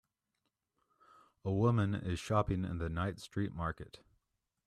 A woman is shopping in the night street market.